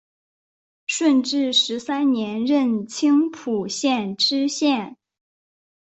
顺治十三年任青浦县知县。